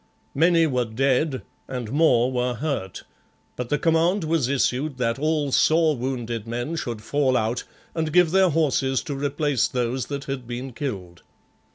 Many were dead and more were hurt, but the command was issued that all sore wounded men should fall out and give their horses to replace those that had been killed.